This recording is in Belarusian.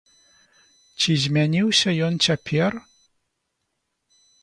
Ці змяніўся ён цяпер?